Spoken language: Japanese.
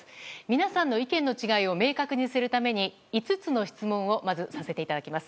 皆さんの意見の違いを明確にするために５つの質問をまず、させていただきます。